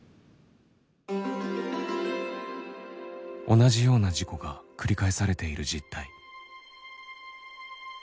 同じような事故が繰り返されている実態。